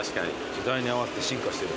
時代に合わせて進化してる。